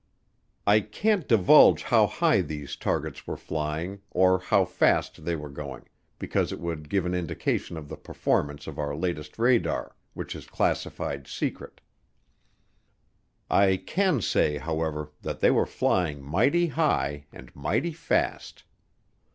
I can't divulge how high these targets were flying or how fast they were going because it would give an indication of the performance of our latest radar, which is classified Secret. I can say, however, that they were flying mighty high and mighty fast.